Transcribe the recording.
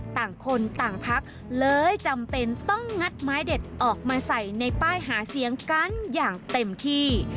ต่างคนต่างพักเลยจำเป็นต้องงัดไม้เด็ดออกมาใส่ในป้ายหาเสียงกันอย่างเต็มที่